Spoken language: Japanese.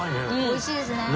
おいしいですね。